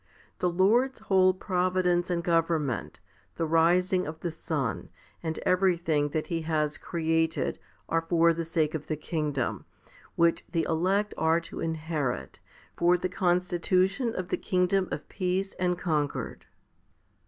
The Lord's whole provi dence and government, the rising of the sun, and every thing that He has created, are for the sake of the kingdom, which the elect are to inherit, for the constitution of the kingdom of peace and concord.